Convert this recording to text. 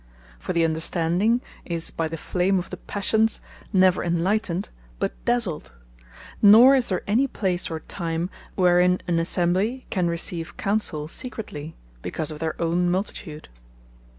For the Understanding is by the flame of the Passions, never enlightned, but dazled: Nor is there any place, or time, wherein an Assemblie can receive Counsell with secrecie, because of their owne Multitude.